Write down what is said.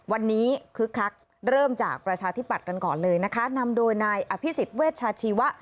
วันนี้คึกคักเริ่มจากประชาธิบัติกันก่อนเลยนะคะนำโดยนายอภิษฎเวชชาชีวะ